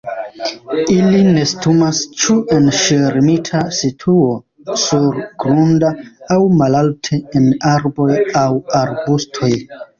Ili nestumas ĉu en ŝirmita situo surgrunda aŭ malalte en arboj aŭ arbustoj.